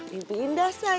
mimpi indah sayang